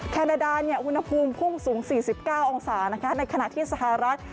แคนาดาอุณหภูมิพุ่งสูง๔๙องศาในขณะที่สหรัฐ